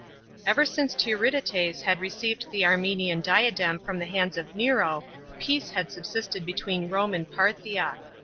§ 10. Ever since Tiridates had received the Armenian diadem from the hands of Nero, peace had subsisted between Rome and Parthia.